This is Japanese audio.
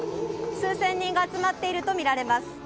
数千人が集まっているとみられます。